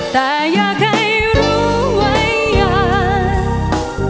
แต่อยากให้รู้ไว้ก่อน